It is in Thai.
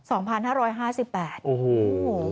โอ้โห